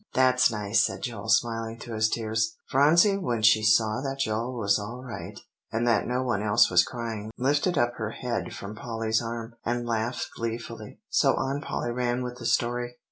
"That's nice," said Joel, smiling through his tears. Phronsie, when she saw that Joel was all right, and that no one else was crying, lifted up her head from Polly's arm, and laughed gleefully. So on Polly ran with the story.